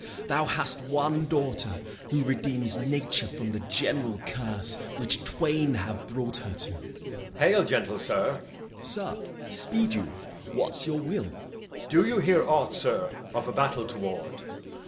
Thou hast one daughter Who redeems nature from the general curse Which twain have brought her to. Edg. Hail, gentle sir. Gent. Sir, speed you. What's your will? Edg. Do you hear aught, sir, of a battle toward?